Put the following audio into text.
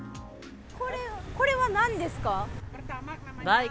これはなんですか。